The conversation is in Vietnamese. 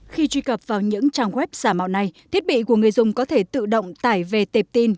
khi truy cập vào những trang web giả mạo này thiết bị của người dùng có thể tự động tải về tệp tin